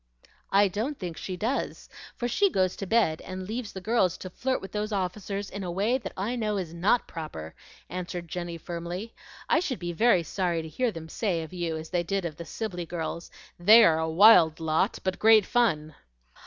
"I don't think she does, for she goes to bed and leaves the girls to flirt with those officers in a way that I know is NOT proper," answered Jenny, firmly. "I should be very sorry to hear them say of you as they did of the Sibley girls, 'They are a wild lot, but great fun.'"